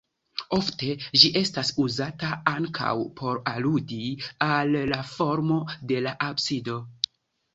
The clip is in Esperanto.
Ofte, ĝi estas uzata ankaŭ por aludi al la formo de la absido.